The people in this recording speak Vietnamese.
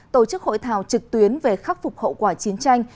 tổ chức hội thảo trực tuyến về khắc phục hậu quả chiến tranh